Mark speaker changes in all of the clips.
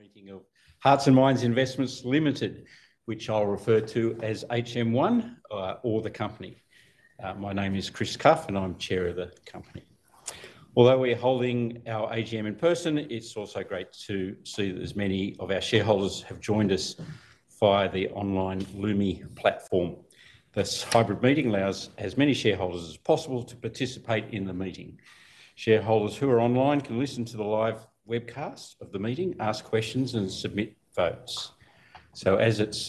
Speaker 1: I'm Chairman of Hearts and Minds Investments Limited, which I'll refer to as HM1, or the company. My name is Chris Cuffe, and I'm Chair of the company. Although we are holding our AGM in person, it's also great to see that as many of our shareholders have joined us via the online Lumi platform. This hybrid meeting allows as many shareholders as possible to participate in the meeting. Shareholders who are online can listen to the live webcast of the meeting, ask questions, and submit votes. As it's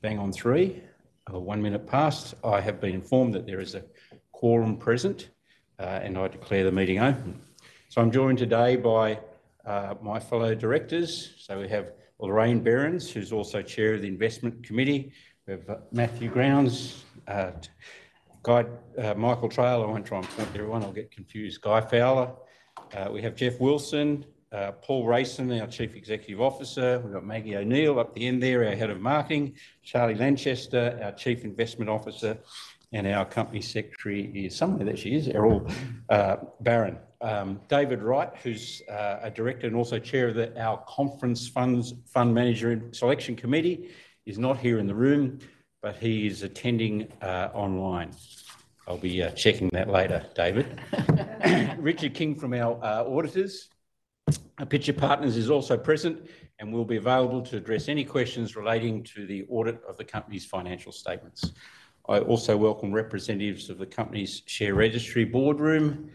Speaker 1: bang on three, one minute past, I have been informed that there is a quorum present, and I declare the meeting open. I'm joined today by my fellow directors. We have Lorraine Berends, who's also Chair of the Investment Committee. We have Matthew Grounds, Michael Traill. I want to try and point everyone, I'll get confused, Guy Fowler. We have Geoff Wilson, Paul Rayson, our Chief Executive Officer. We've got Maggie O'Neill up at the end there, our head of marketing, Charlie Lanchester, our Chief Investment Officer, and our company secretary is, somewhere there she is, Eryl Baron. David Wright, who's a director and also chair of our Conference Fund Manager Selection Committee, is not here in the room, but he is attending online. I'll be checking that later, David. Richard King from our auditors, Pitcher Partners, is also present and will be available to address any questions relating to the audit of the company's financial statements. I also welcome representatives of the company's share registry Boardroom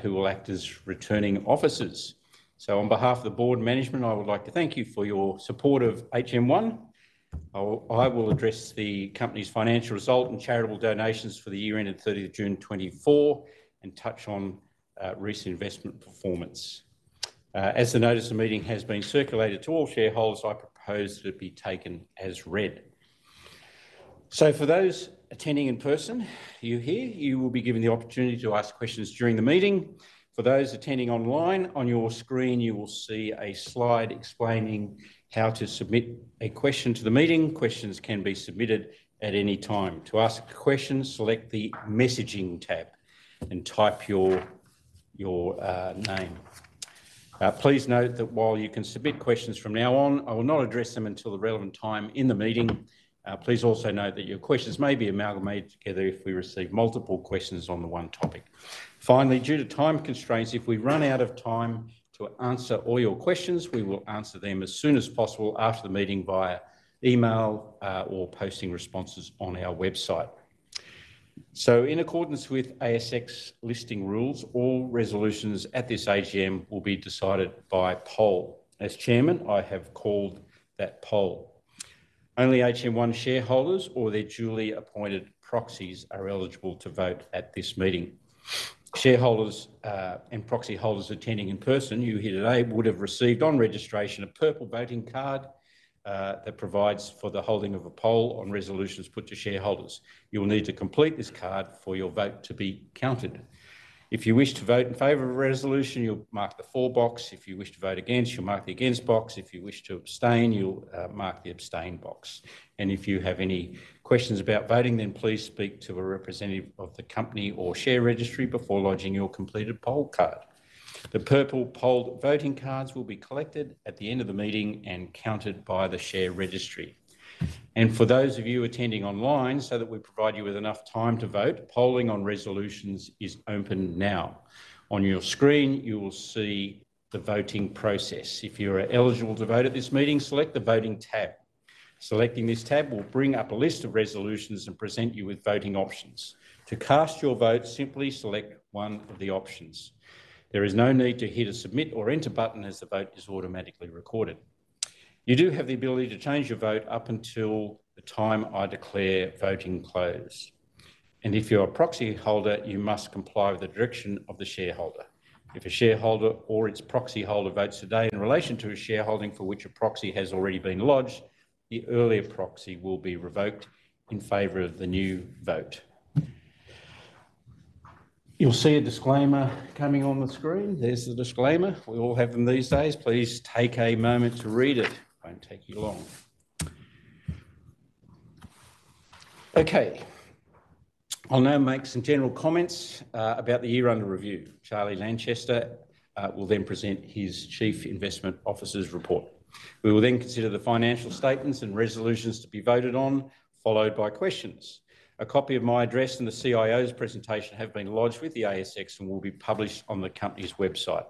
Speaker 1: who will act as returning officers. So, on behalf of the board management, I would like to thank you for your support of HM1. I will address the company's financial result and charitable donations for the year ended 30th of June 2024 and touch on recent investment performance. As the notice of meeting has been circulated to all shareholders, I propose that it be taken as read. So, for those attending in person, you here, you will be given the opportunity to ask questions during the meeting. For those attending online, on your screen, you will see a slide explaining how to submit a question to the meeting. Questions can be submitted at any time. To ask a question, select the messaging tab and type your name. Please note that while you can submit questions from now on, I will not address them until the relevant time in the meeting. Please also note that your questions may be amalgamated together if we receive multiple questions on the one topic. Finally, due to time constraints, if we run out of time to answer all your questions, we will answer them as soon as possible after the meeting via email or posting responses on our website. So, in accordance with ASX Listing Rules, all resolutions at this AGM will be decided by poll. As chairman, I have called that poll. Only HM1 shareholders or their duly appointed proxies are eligible to vote at this meeting. Shareholders and proxy holders attending in person, you here today, would have received on registration a purple voting card that provides for the holding of a poll on resolutions put to shareholders. You will need to complete this card for your vote to be counted. If you wish to vote in favor of a resolution, you'll mark the for box. If you wish to vote against, you'll mark the against box. If you wish to abstain, you'll mark the abstain box. And if you have any questions about voting, then please speak to a representative of the company or share registry before lodging your completed poll card. The purple poll voting cards will be collected at the end of the meeting and counted by the share registry. And for those of you attending online, so that we provide you with enough time to vote, polling on resolutions is open now. On your screen, you will see the voting process. If you are eligible to vote at this meeting, select the voting tab. Selecting this tab will bring up a list of resolutions and present you with voting options. To cast your vote, simply select one of the options. There is no need to hit a submit or enter button as the vote is automatically recorded. You do have the ability to change your vote up until the time I declare voting close, and if you're a proxy holder, you must comply with the direction of the shareholder. If a shareholder or its proxy holder votes today in relation to a shareholding for which a proxy has already been lodged, the earlier proxy will be revoked in favor of the new vote. You'll see a disclaimer coming on the screen. There's the disclaimer. We all have them these days. Please take a moment to read it. It won't take you long. Okay. I'll now make some general comments about the year under review. Charlie Lanchester will then present his Chief Investment Officer's report. We will then consider the financial statements and resolutions to be voted on, followed by questions. A copy of my address and the CIO's presentation have been lodged with the ASX and will be published on the company's website.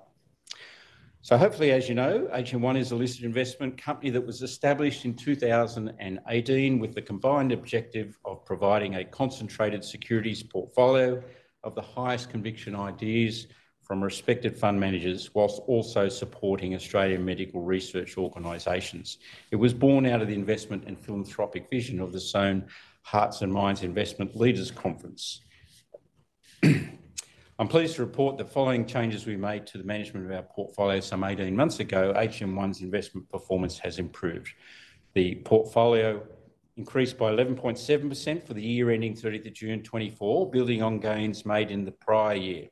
Speaker 1: So, hopefully, as you know, HM1 is a listed investment company that was established in 2018 with the combined objective of providing a concentrated securities portfolio of the highest conviction ideas from respected fund managers, while also supporting Australian medical research organizations. It was born out of the investment and philanthropic vision of the Sohn Hearts and Minds Investment Leaders Conference. I'm pleased to report that following changes we made to the management of our portfolio some 18 months ago, HM1's investment performance has improved. The portfolio increased by 11.7% for the year ending 30th of June 2024, building on gains made in the prior year.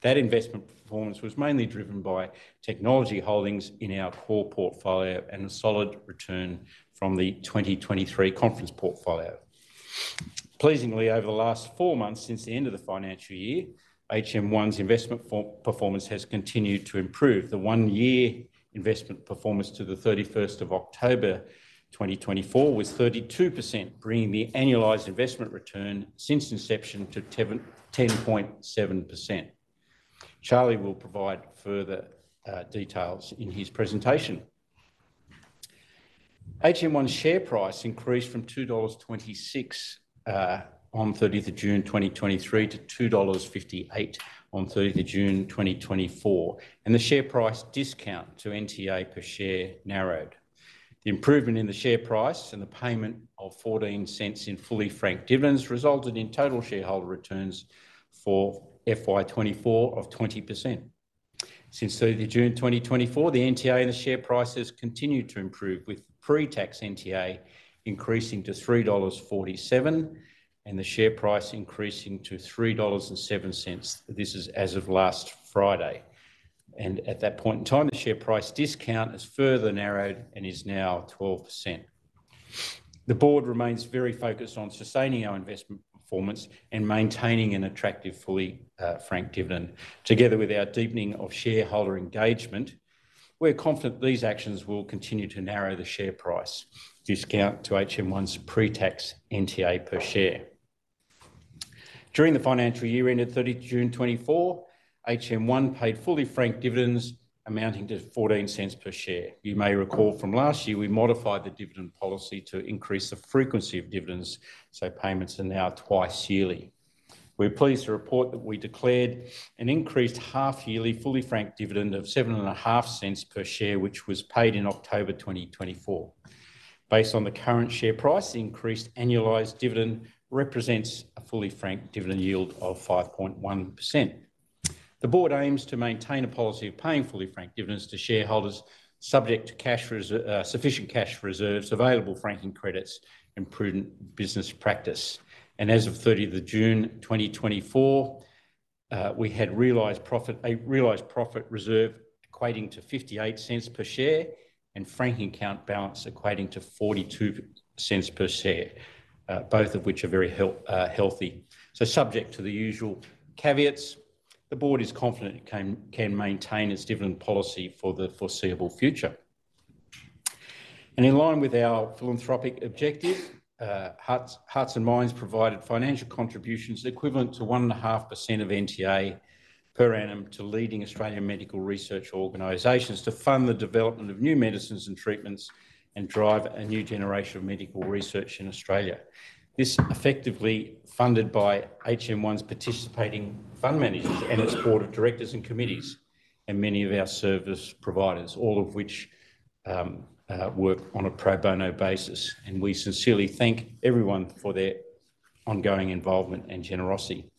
Speaker 1: That investment performance was mainly driven by technology holdings in our core portfolio and a solid return from the 2023 conference portfolio. Pleasingly, over the last four months since the end of the financial year, HM1's investment performance has continued to improve. The one-year investment performance to the 31st of October 2024 was 32%, bringing the annualized investment return since inception to 10.7%. Charlie will provide further details in his presentation. HM1's share price increased from $2.26 on 30th of June 2023 to $2.58 on 30th of June 2024, and the share price discount to NTA per share narrowed. The improvement in the share price and the payment of $0.14 in fully franked dividends resulted in total shareholder returns for FY24 of 20%. Since 30th of June 2024, the NTA and the share prices continue to improve, with pre-tax NTA increasing to 3.47 dollars and the share price increasing to 3.07 dollars. This is as of last Friday. And at that point in time, the share price discount has further narrowed and is now 12%. The board remains very focused on sustaining our investment performance and maintaining an attractive fully franked dividend. Together with our deepening of shareholder engagement, we're confident these actions will continue to narrow the share price discount to HM1's pre-tax NTA per share. During the financial year ended 30th of June 2024, HM1 paid fully franked dividends amounting to 0.14 per share. You may recall from last year, we modified the dividend policy to increase the frequency of dividends, so payments are now twice yearly. We're pleased to report that we declared an increased half-yearly fully franked dividend of 0.075 per share, which was paid in October 2024. Based on the current share price, the increased annualized dividend represents a fully franked dividend yield of 5.1%. The board aims to maintain a policy of paying fully franked dividends to shareholders subject to sufficient cash reserves, available franking credits, and prudent business practice. And as of 30th of June 2024, we had a realized profit reserve equating to 0.58 per share and franking account balance equating to 0.42 per share, both of which are very healthy. So, subject to the usual caveats, the board is confident it can maintain its dividend policy for the foreseeable future. In line with our philanthropic objective, Hearts and Minds provided financial contributions equivalent to 1.5% of NTA per annum to leading Australian medical research organizations to fund the development of new medicines and treatments and drive a new generation of medical research in Australia. This is effectively funded by HM1's participating fund managers and its board of directors and committees and many of our service providers, all of which work on a pro bono basis. We sincerely thank everyone for their ongoing involvement and generosity.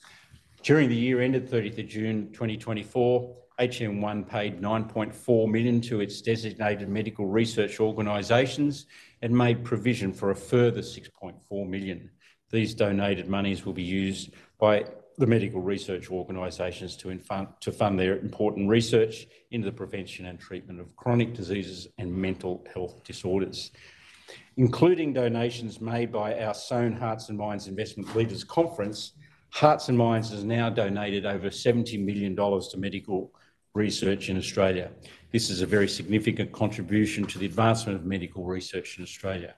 Speaker 1: During the year ended 30th of June 2024, HM1 paid 9.4 million to its designated medical research organizations and made provision for a further 6.4 million. These donated monies will be used by the medical research organizations to fund their important research into the prevention and treatment of chronic diseases and mental health disorders. Including donations made by our Sohn Hearts and Minds Investment Leaders Conference, Hearts and Minds has now donated over 70 million dollars to medical research in Australia. This is a very significant contribution to the advancement of medical research in Australia.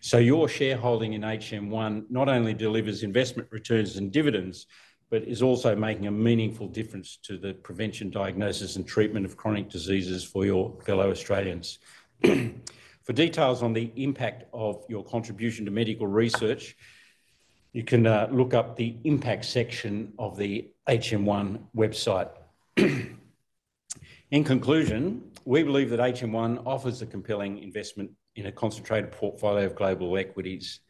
Speaker 1: So, your shareholding in HM1 not only delivers investment returns and dividends, but is also making a meaningful difference to the prevention, diagnosis, and treatment of chronic diseases for your fellow Australians. For details on the impact of your contribution to medical research, you can look up the impact section of the HM1 website. In conclusion, we believe that HM1 offers a compelling investment in a concentrated portfolio of global equities,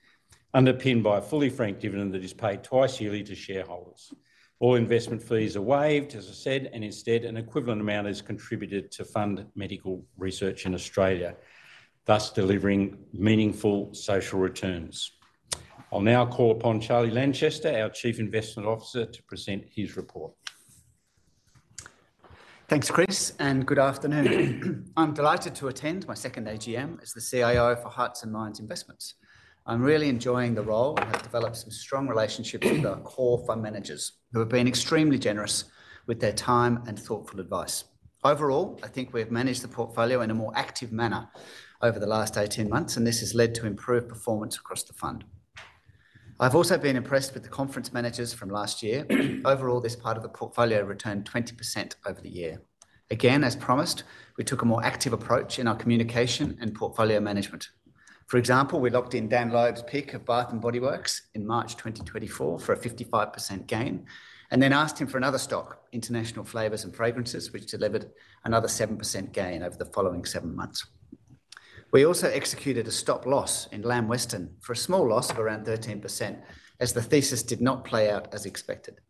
Speaker 1: underpinned by a fully franked dividend that is paid twice yearly to shareholders. All investment fees are waived, as I said, and instead an equivalent amount is contributed to fund medical research in Australia, thus delivering meaningful social returns. I'll now call upon Charlie Lanchester, our Chief Investment Officer, to present his report.
Speaker 2: Thanks, Chris, and good afternoon. I'm delighted to attend my second AGM as the CIO for Hearts and Minds Investments. I'm really enjoying the role and have developed some strong relationships with our core fund managers who have been extremely generous with their time and thoughtful advice. Overall, I think we have managed the portfolio in a more active manner over the last 18 months, and this has led to improved performance across the fund. I've also been impressed with the conference managers from last year. Overall, this part of the portfolio returned 20% over the year. Again, as promised, we took a more active approach in our communication and portfolio management. For example, we locked in Dan Loeb's pick of Bath & Body Works in March 2024 for a 55% gain, and then asked him for another stock, International Flavors & Fragrances, which delivered another 7% gain over the following seven months. We also executed a stop loss in Lamb Weston for a small loss of around 13% as the thesis did not play out as expected.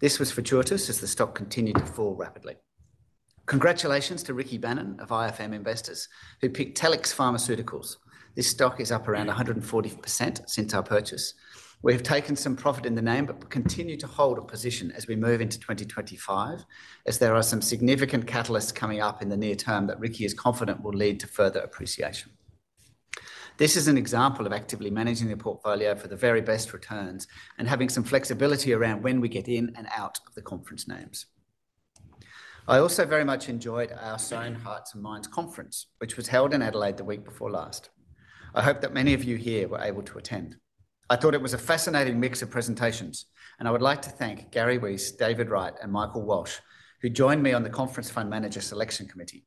Speaker 2: This was fortuitous as the stock continued to fall rapidly. Congratulations to Rikki Bannan of IFM Investors who picked Telix Pharmaceuticals. This stock is up around 140% since our purchase. We have taken some profit in the name, but continue to hold a position as we move into 2025, as there are some significant catalysts coming up in the near term that Ricky is confident will lead to further appreciation. This is an example of actively managing the portfolio for the very best returns and having some flexibility around when we get in and out of the conference names. I also very much enjoyed our Sohn Hearts and Minds Conference, which was held in Adelaide the week before last. I hope that many of you here were able to attend. I thought it was a fascinating mix of presentations, and I would like to thank Gary Reaves, David Wright, and Michael Walsh, who joined me on the Conference Fund Manager Selection Committee.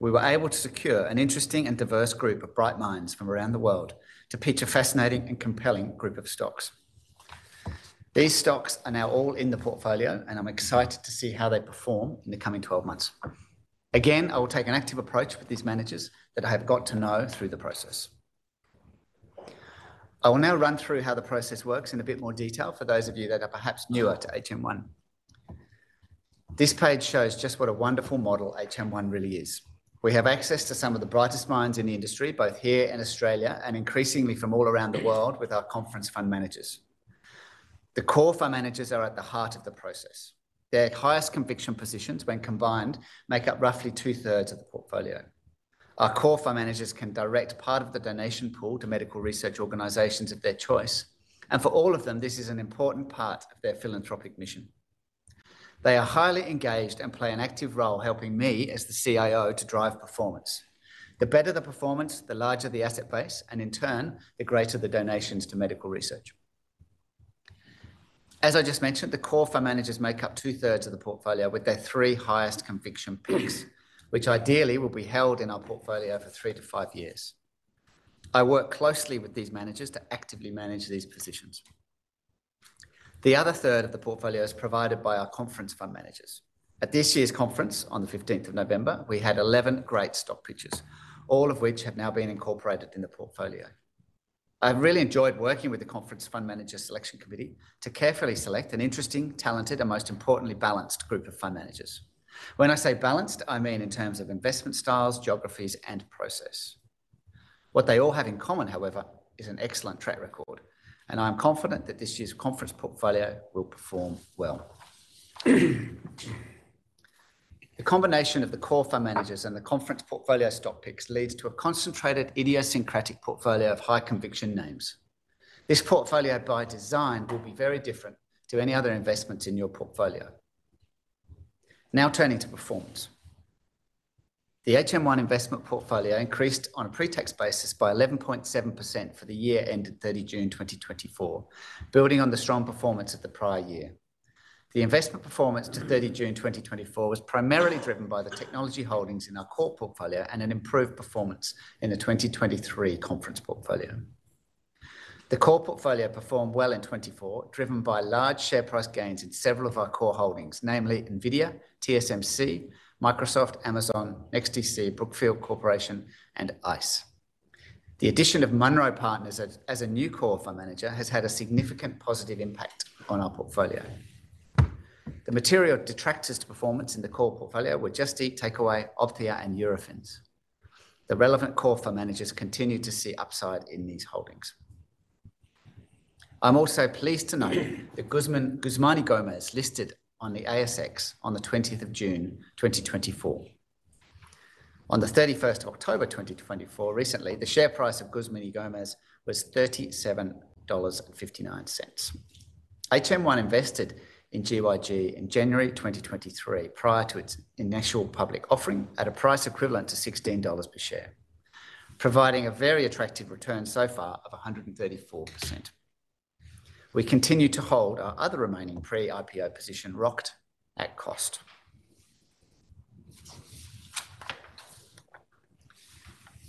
Speaker 2: We were able to secure an interesting and diverse group of bright minds from around the world to pitch a fascinating and compelling group of stocks. These stocks are now all in the portfolio, and I'm excited to see how they perform in the coming 12 months. Again, I will take an active approach with these managers that I have got to know through the process. I will now run through how the process works in a bit more detail for those of you that are perhaps newer to HM1. This page shows just what a wonderful model HM1 really is. We have access to some of the brightest minds in the industry, both here in Australia and increasingly from all around the world, with our conference fund managers. The core fund managers are at the heart of the process. Their highest conviction positions, when combined, make up roughly two-thirds of the portfolio. Our core fund managers can direct part of the donation pool to medical research organizations of their choice, and for all of them, this is an important part of their philanthropic mission. They are highly engaged and play an active role, helping me as the CIO to drive performance. The better the performance, the larger the asset base, and in turn, the greater the donations to medical research. As I just mentioned, the core fund managers make up two-thirds of the portfolio with their three highest conviction picks, which ideally will be held in our portfolio for three to five years. I work closely with these managers to actively manage these positions. The other third of the portfolio is provided by our conference fund managers. At this year's conference, on the 15th of November, we had 11 great stock picks, all of which have now been incorporated in the portfolio. I've really enjoyed working with the Conference Fund Manager Selection Committee to carefully select an interesting, talented, and most importantly, balanced group of fund managers. When I say balanced, I mean in terms of investment styles, geographies, and process. What they all have in common, however, is an excellent track record, and I'm confident that this year's conference portfolio will perform well. The combination of the core fund managers and the conference portfolio stock picks leads to a concentrated, idiosyncratic portfolio of high conviction names. This portfolio, by design, will be very different to any other investment in your portfolio. Now turning to performance. The HM1 investment portfolio increased on a pre-tax basis by 11.7% for the year ended 30 June 2024, building on the strong performance of the prior year. The investment performance to 30 June 2024 was primarily driven by the technology holdings in our core portfolio and an improved performance in the 2023 conference portfolio. The core portfolio performed well in 2024, driven by large share price gains in several of our core holdings, namely NVIDIA, TSMC, Microsoft, Amazon, NextDC, Brookfield Corporation, and ICE. The addition of Munro Partners as a new core fund manager has had a significant positive impact on our portfolio. The material detractors to performance in the core portfolio were Just Eat Takeaway, Aptiv, and Eurofins. The relevant core fund managers continue to see upside in these holdings. I'm also pleased to note that Guzman y Gomez listed on the ASX on the 20th of June 2024. On the 31st of October 2024, recently, the share price of Guzman y Gomez was 37.59 dollars. HM1 invested in GYG in January 2023 prior to its initial public offering at a price equivalent to 16 dollars per share, providing a very attractive return so far of 134%. We continue to hold our other remaining pre-IPO position, Rokt at cost.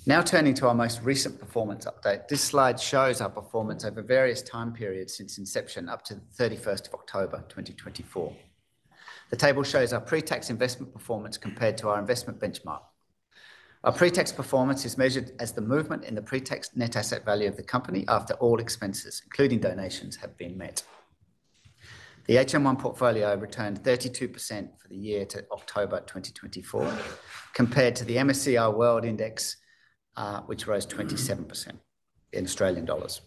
Speaker 2: Now turning to our most recent performance update, this slide shows our performance over various time periods since inception up to the 31st of October 2024. The table shows our pre-tax investment performance compared to our investment benchmark. Our pre-tax performance is measured as the movement in the pre-tax net asset value of the company after all expenses, including donations, have been met. The HM1 portfolio returned 32% for the year to October 2024, compared to the MSCI World Index, which rose 27% in Australian dollars.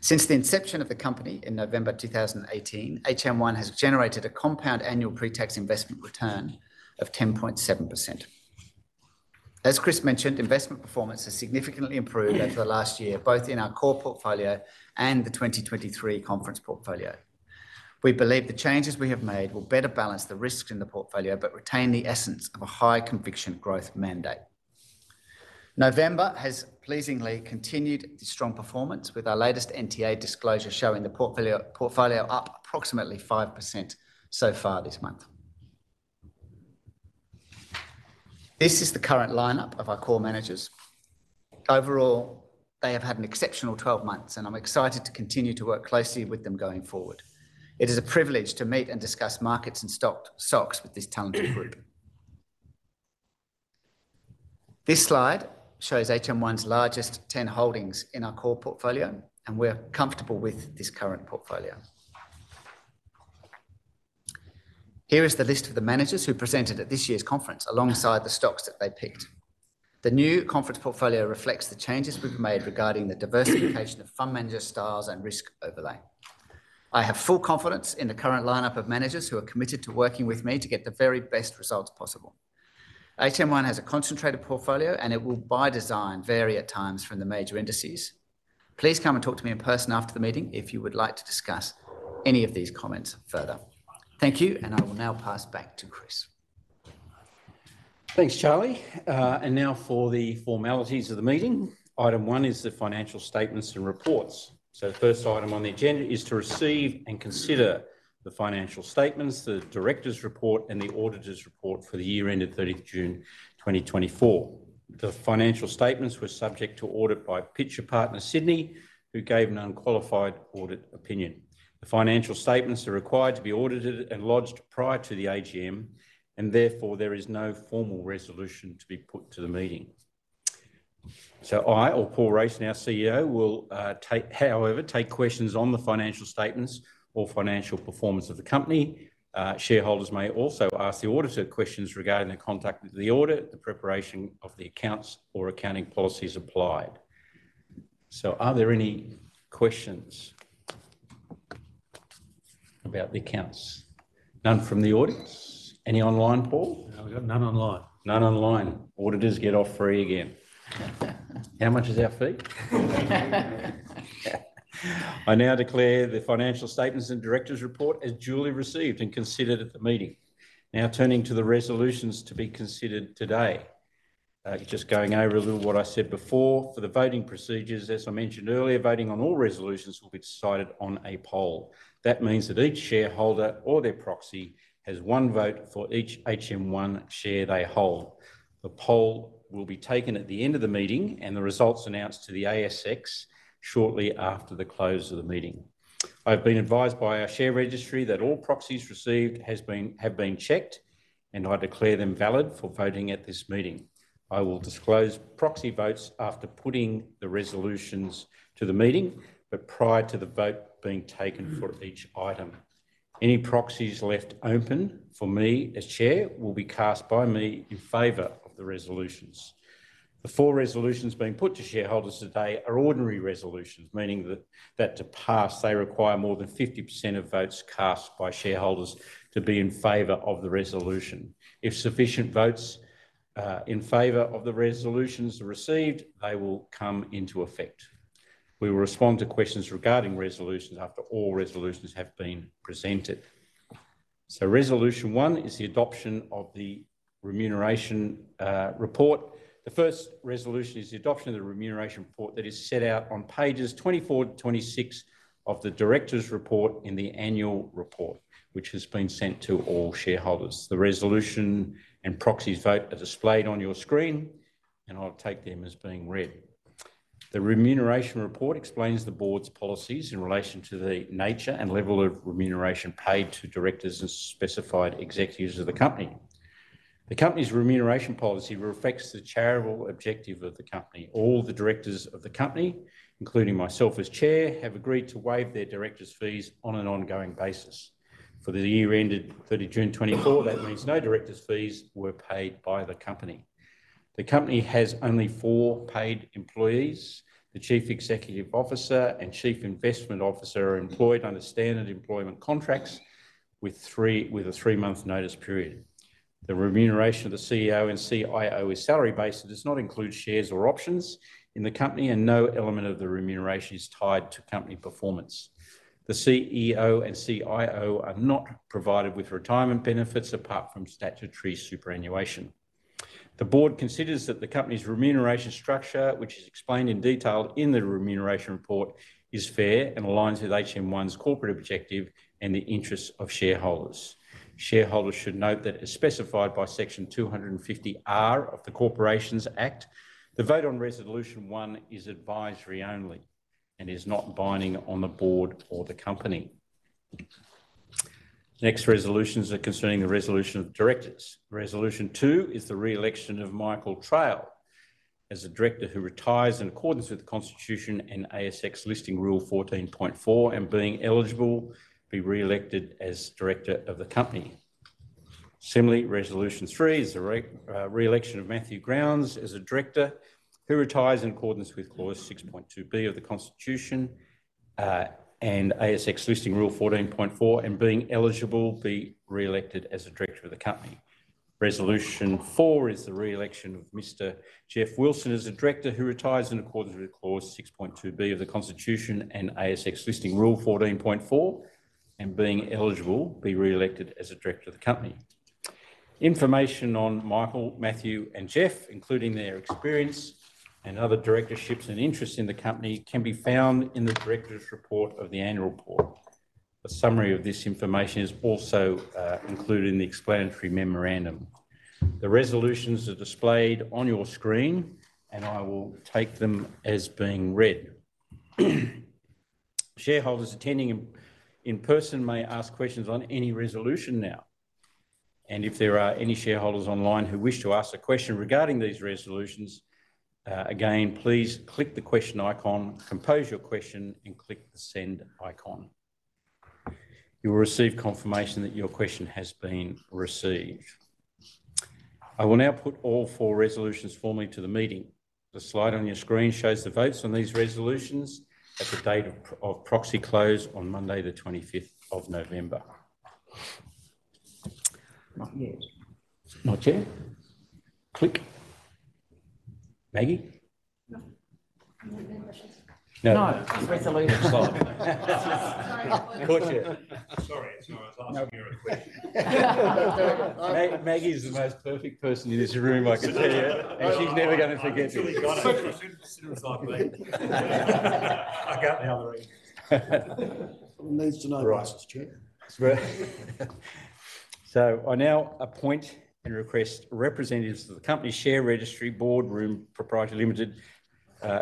Speaker 2: Since the inception of the company in November 2018, HM1 has generated a compound annual pre-tax investment return of 10.7%. As Chris mentioned, investment performance has significantly improved over the last year, both in our core portfolio and the 2023 conference portfolio. We believe the changes we have made will better balance the risks in the portfolio but retain the essence of a high conviction growth mandate. November has pleasingly continued the strong performance, with our latest NTA disclosure showing the portfolio up approximately 5% so far this month. This is the current lineup of our core managers. Overall, they have had an exceptional 12 months, and I'm excited to continue to work closely with them going forward. It is a privilege to meet and discuss markets and stocks with this talented group. This slide shows HM1's largest 10 holdings in our core portfolio, and we're comfortable with this current portfolio. Here is the list of the managers who presented at this year's conference alongside the stocks that they picked. The new conference portfolio reflects the changes we've made regarding the diversification of fund manager styles and risk overlay. I have full confidence in the current lineup of managers who are committed to working with me to get the very best results possible. HM1 has a concentrated portfolio, and it will by design vary at times from the major indices. Please come and talk to me in person after the meeting if you would like to discuss any of these comments further. Thank you, and I will now pass back to Chris.
Speaker 1: Thanks, Charlie, and now for the formalities of the meeting, item one is the financial statements and reports. So the first item on the agenda is to receive and consider the financial statements, the director's report, and the auditor's report for the year ended 30 June 2024. The financial statements were subject to audit by Pitcher Partners Sydney, who gave an unqualified audit opinion. The financial statements are required to be audited and lodged prior to the AGM, and therefore there is no formal resolution to be put to the meeting. So I, or Paul Rayson now CEO, will, however, take questions on the financial statements or financial performance of the company. Shareholders may also ask the auditor questions regarding the conduct of the audit, the preparation of the accounts, or accounting policies applied. So are there any questions about the accounts? None from the audience? Any online, Paul?
Speaker 3: None online.
Speaker 4: Auditors get off free again.
Speaker 1: How much is our fee? I now declare the financial statements and director's report as duly received and considered at the meeting. Now turning to the resolutions to be considered today. Just going over a little what I said before for the voting procedures, as I mentioned earlier, voting on all resolutions will be decided on a poll. That means that each shareholder or their proxy has one vote for each HM1 share they hold. The poll will be taken at the end of the meeting, and the results announced to the ASX shortly after the close of the meeting. I've been advised by our share registry that all proxies received have been checked, and I declare them valid for voting at this meeting. I will disclose proxy votes after putting the resolutions to the meeting, but prior to the vote being taken for each item. Any proxies left open for me as chair will be cast by me in favor of the resolutions. The four resolutions being put to shareholders today are ordinary resolutions, meaning that to pass, they require more than 50% of votes cast by shareholders to be in favor of the resolution. If sufficient votes in favor of the resolutions are received, they will come into effect. We will respond to questions regarding resolutions after all resolutions have been presented. So resolution one is the adoption of the remuneration report. The first resolution is the adoption of the remuneration report that is set out on Pages 24-26 of the director's report in the annual report, which has been sent to all shareholders. The resolution and proxy votes are displayed on your screen, and I'll take them as being read. The remuneration report explains the board's policies in relation to the nature and level of remuneration paid to directors and specified executives of the company. The company's remuneration policy reflects the charitable objective of the company. All the directors of the company, including myself as chair, have agreed to waive their director's fees on an ongoing basis. For the year ended 30 June 2024, that means no director's fees were paid by the company. The company has only four paid employees. The Chief Executive Officer and Chief Investment Officer are employed under standard employment contracts with a three-month notice period. The remuneration of the CEO and CIO is salary-based and does not include shares or options in the company, and no element of the remuneration is tied to company performance. The CEO and CIO are not provided with retirement benefits apart from statutory superannuation. The board considers that the company's remuneration structure, which is explained in detail in the remuneration report, is fair and aligns with HM1's corporate objective and the interests of shareholders. Shareholders should note that as specified by Section 250R of the Corporations Act, the vote on resolution one is advisory only and is not binding on the board or the company. Next resolutions are concerning the resolution of directors. Resolution two is the re-election of Michael Traill as a director who retires in accordance with the Constitution and ASX Listing Rule 14.4, and being eligible to be re-elected as director of the company. Similarly, resolution three is the re-election of Matthew Grounds as a director who retires in accordance with clause 6.2B of the Constitution and ASX Listing Rule 14.4, and being eligible to be re-elected as a director of the company. Resolution four is the re-election of Mr. Geoff Wilson as a director who retires in accordance with clause 6.2B of the Constitution and ASX Listing Rule 14.4, and being eligible to be re-elected as a director of the company. Information on Michael, Matthew, and Geoff, including their experience and other directorships and interests in the company, can be found in the director's report of the annual report. A summary of this information is also included in the explanatory memorandum. The resolutions are displayed on your screen, and I will take them as being read. Shareholders attending in person may ask questions on any resolution now, and if there are any shareholders online who wish to ask a question regarding these resolutions, again, please click the question icon, compose your question, and click the send icon. You will receive confirmation that your question has been received. I will now put all four resolutions formally to the meeting. The slide on your screen shows the votes on these resolutions at the date of proxy close on Monday, the 25th of November.
Speaker 4: Not yet.
Speaker 1: Not yet? Click. Maggie?
Speaker 3: Sorry, I was asking you a question.
Speaker 1: Maggie is the most perfect person in this room, I can tell you. And she's never going to forget this. I got the other reason.
Speaker 4: Needs to know Chris is chair.
Speaker 1: So I now appoint and request representatives of the company share registry Boardroom Pty Limited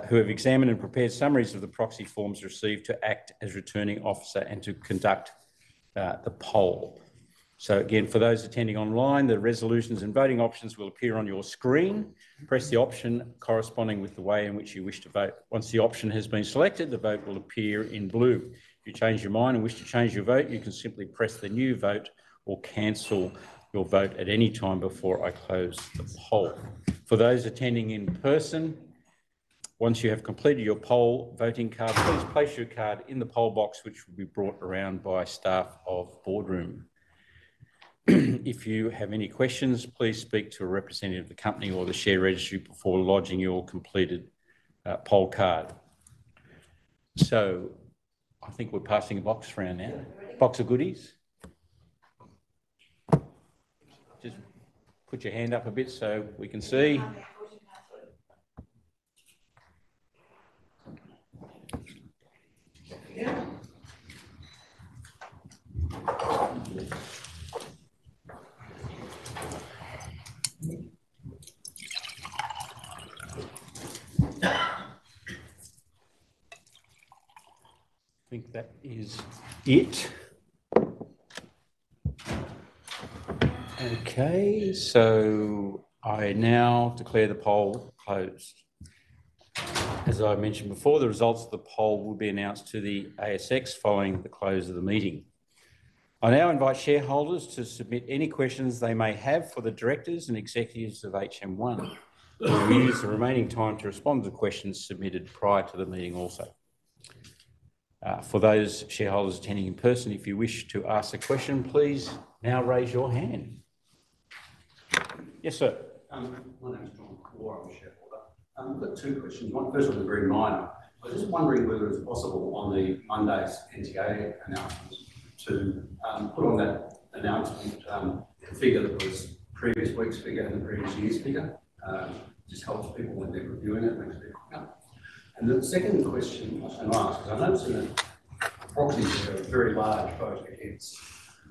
Speaker 1: who have examined and prepared summaries of the proxy forms received to act as returning officer and to conduct the poll. So again, for those attending online, the resolutions and voting options will appear on your screen. Press the option corresponding with the way in which you wish to vote. Once the option has been selected, the vote will appear in blue. If you change your mind and wish to change your vote, you can simply press the new vote or cancel your vote at any time before I close the poll. For those attending in person, once you have completed your poll voting card, please place your card in the poll box, which will be brought around by staff of Boardroom. If you have any questions, please speak to a representative of the company or the share registry before lodging your completed poll card. So I think we're passing a box around now. Box of goodies. Just put your hand up a bit so we can see. I think that is it. Okay. So I now declare the poll closed. As I mentioned before, the results of the poll will be announced to the ASX following the close of the meeting. I now invite shareholders to submit any questions they may have for the directors and executives of HM1. We use the remaining time to respond to questions submitted prior to the meeting also. For those shareholders attending in person, if you wish to ask a question, please now raise your hand.
Speaker 5: Yes, sir. My name is John. I'm a shareholder. I've got two questions. First one is very minor. I was just wondering whether it's possible on the Monday's NTA announcements to put on that announcement the figure that was previous week's figure and the previous year's figure. It just helps people when they're reviewing it, makes it quicker. And the second question I'm asking, because I know it's in a proxy for a very large vote against.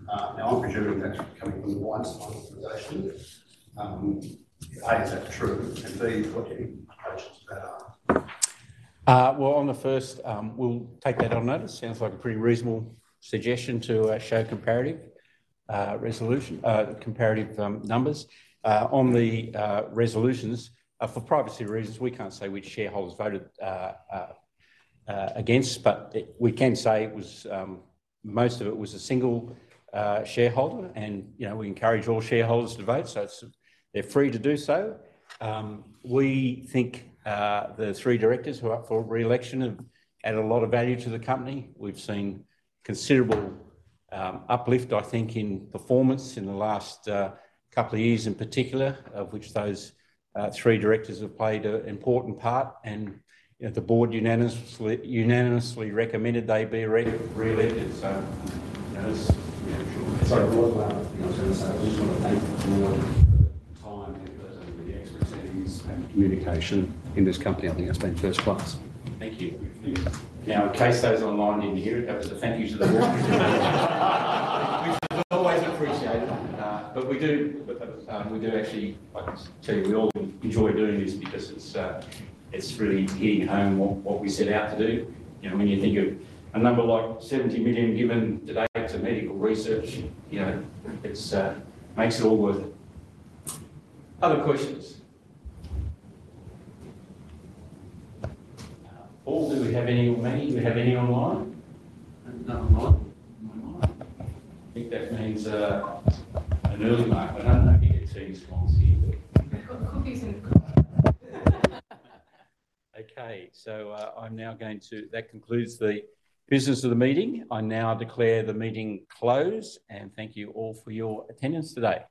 Speaker 5: Now I'm presuming that's coming from the Weiss organization. A, is that true? And B, what do you think the questions about are?
Speaker 1: Well, on the first, we'll take that on notice. Sounds like a pretty reasonable suggestion to show comparative numbers. On the resolutions, for privacy reasons, we can't say which shareholders voted against, but we can say most of it was a single shareholder, and we encourage all shareholders to vote, so they're free to do so. We think the three directors who are up for re-election have added a lot of value to the company. We've seen considerable uplift, I think, in performance in the last couple of years in particular, of which those three directors have played an important part, and the board unanimously recommended they be re-elected.
Speaker 5: So that's yeah, I'm sure. Sorry, I wasn't allowed to speak. I was going to say I just want to thank the board for the time and the expertise and communication in this company. I think that's been first class. Thank you.
Speaker 1: Now, in case those online didn't hear it, that was a thank you to the board. Which was always appreciated. But we do actually like to tell you, we all enjoy doing this because it's really hitting home what we set out to do. When you think of a number like 70 million given today to medical research, it makes it all worth it. Other questions? Paul, do we have any or Maggie, do we have any online?
Speaker 3: Not online. Not online.
Speaker 1: I think that means an early mark. I don't know if you get to see any screens here. Coffee's in the car. Okay. So I'm now going to that concludes the business of the meeting. I now declare the meeting closed, and thank you all for your attendance today.